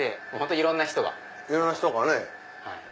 いろんな人がね。